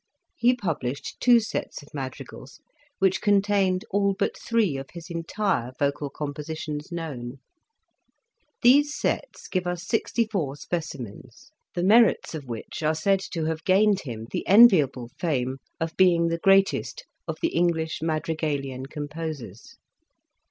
He published two sets of madrigals, which contained all but three of his entire vocal compositions known. These "Sets" give us sixty four specimens, the merits of 14 B 17 Introduction. which are said to have gained him the envi able fame of being the greatest of the English madrigalian composers.